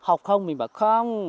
học không mình bảo không